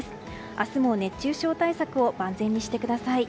明日も熱中症対策を万全にしてください。